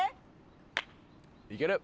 いける。